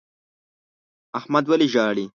احمد ولي ژاړي؟